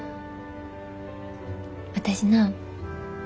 私な